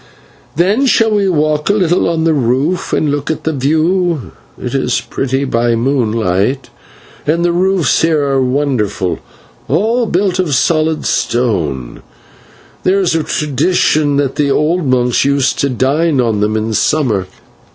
Then shall we walk a little on the roof and look at the view; it is pretty by moonlight, and the roofs here are wonderful, all built of solid stone; there is a tradition that the old monks used to dine on them in summer.